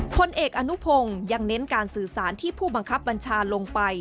พลเอกอนุพงศ์ยังเน้นการสื่อสารที่ผู้บังคับบัญชาลงไป